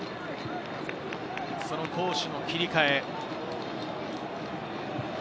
攻守の切り替え。